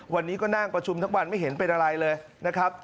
วันนี้ก็นั่งประชุมทั้งวันไม่เห็นเป็นอะไรเลยนะครับ